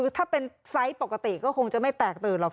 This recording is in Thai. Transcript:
ถ้าเป็นไซส์ปกติก็คงจะไม่แตกตื่นหรอกค่ะ